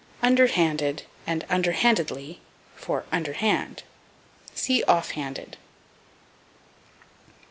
Under handed and Under handedly for Under hand. See _Off handed.